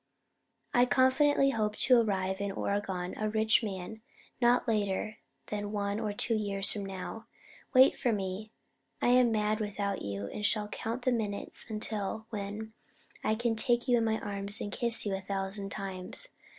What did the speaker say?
I confidently Hope to arrive in Oregon a rich man not later than one or two years from Now. Wait for me. I am mad without you and shall count the Minutes until then when I can take you in my Arms and Kiss you a thousand Times.